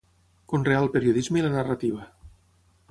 Conreà el periodisme i la narrativa.